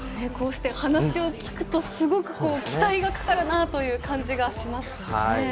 話を聞くとすごく期待がかかるなという感じがしますね。